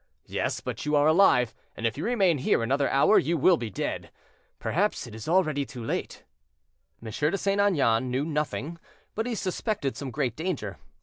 "Yes, but you are alive; and if you remain here another hour you will be dead. Perhaps it is already too late." M. de St. Aignan knew nothing; but he suspected some great danger.